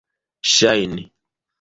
ŝajni